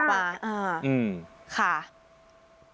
ภูมิใจมาก